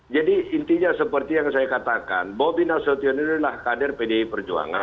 jadi intinya seperti yang saya katakan bobi sutyon ini adalah kader pdi perjuangan